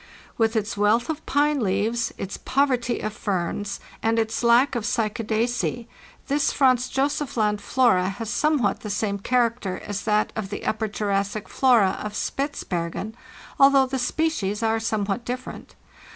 "With its wealth of pine leaves, its poverty of ferns, and its lack of Cycadacee, this Franz Josef Land flora has somewhat the same character as that of the Upper Juras sic flora of Spitzbergen, although the species are some what different.